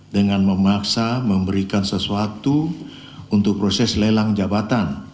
dengan memaksa memberikan sesuatu untuk proses lelang jabatan